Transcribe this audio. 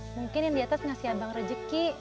mungkin yang diatas ngasih abang rezeki